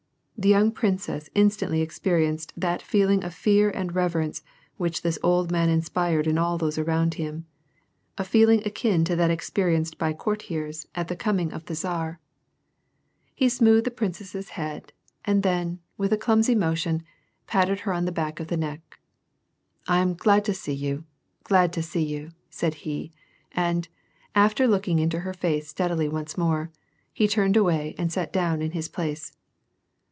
The young princess instantly experienced that feeling of fear and reverence which this old man inspired in all those around him, — a feeling akin to that experienced by courtiers at the coming of the Tsar. 118 WAR ASD PEACE. He smoothed the princess's head, iind then, with a clumsy motion, patted her on the back of the neck. " I am glad to see you, glad to see you," said he ; and, after looking into her face steadily once more, he turned away and sat down in his place.